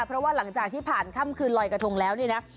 เพราะว่าหลังจากที่ผ่านค่ำคืนลอยกระทงแล้วนี่นะ